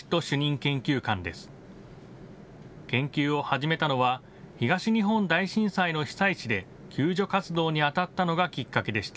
研究を始めたのは東日本大震災の被災地で救助活動にあたったのがきっかけでした。